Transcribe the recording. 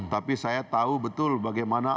tapi saya tahu betul bagaimana